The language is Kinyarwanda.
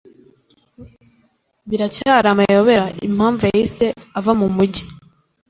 Biracyari amayobera impamvu yahise ava mu mujyi.